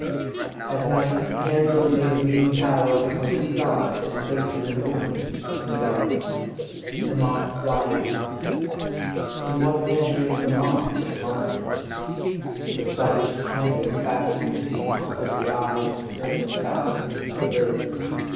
At night, a candle made of mean tallow becomes a star if placed in an opening in the darkness. The moth flies to it. In what measure is the moth responsible? The sight of the candle fascinates the moth as the eye of the serpent fascinates the bird.